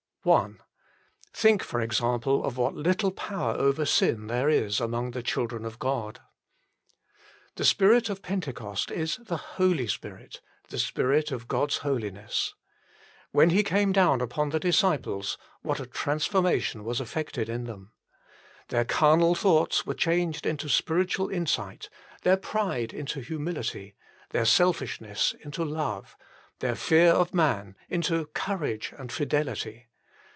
I Think, for example, what little power over sin there is amongst the children of God. The Spirit of Pentecost is the Holy Spirit, the Spirit of God s holiness. When He came down upon the disciples, what a transformation was effected in them. Their carnal thoughts were changed into spiritual insight, their pride into humility, their selfishness into love, their fear of man into courage and fidelity.